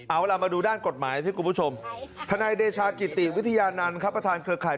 เอาเรามาดูด้านกฎหมายที่กลุ่มผู้ชมธนายเดชากิติวิทยานานคับประทานเครือข่าว